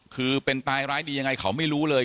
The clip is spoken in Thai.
คือเป็นตายร้ายดียังไงเขาไม่รู้เลย